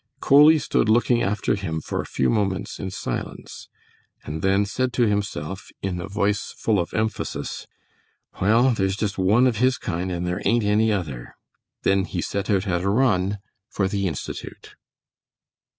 Coley stood looking after him for a few moments in silence, and then said to himself, in a voice full of emphasis: "Well, there's just one of his kind and there ain't any other." Then he set out at a run for the Institute.